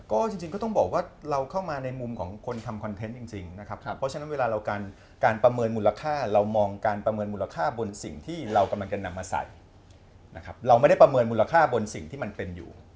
ก็จริงก็ต้องบอกว่าเราเข้ามาในมุมของคนทำคอนเทนต์จริงนะครับเพราะฉะนั้นเวลาเราการประเมินมูลค่าเรามองการประเมินมูลค่าบนสิ่งที่เรากำลังจะนำมาใส่นะครับเราไม่ได้ประเมินมูลค่าบนสิ่งที่มันเป็นอยู่